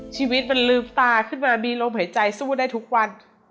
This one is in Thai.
ชีวิตมันลืมตาขึ้นมามีลมหายใจสู้ได้ทุกวัน